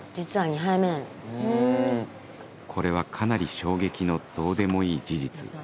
これはかなり衝撃のどうでもいい事実